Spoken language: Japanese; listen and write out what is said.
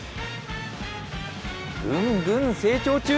ぐんぐん成長中。